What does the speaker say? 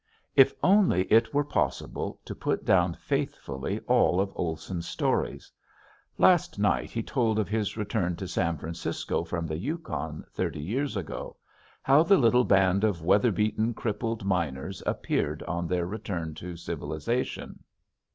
If only it were possible to put down faithfully all of Olson's stories! Last night he told of his return to San Francisco from the Yukon thirty years ago, how the little band of weather beaten, crippled miners appeared on their return to civilization.